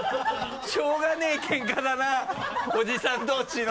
しょうがねぇケンカだなおじさん同士の。